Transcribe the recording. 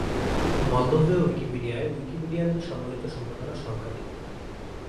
মলদোভীয় উইকিপিডিয়ায় উইকিপিডিয়ানদের সম্মিলিত সম্পাদনার সংখ্যা টি।